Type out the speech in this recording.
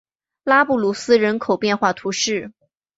拉布鲁斯人口变化图示